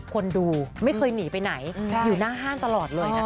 คนดูไม่เคยหนีไปไหนอยู่หน้าห้างตลอดเลยนะคะ